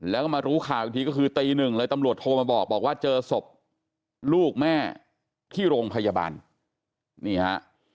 แล้วก็มารู้ข่าวอีกทีก็คือตีหนึ่งเลยตำรวจโทรมาบอกว่าเจอศพลูกแม่ที่โรงพยาบาลนี่ฮะ